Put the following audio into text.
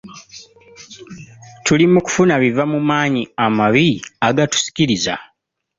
Tuli mu kufuna biva mu maanyi amabi agatusikiriza.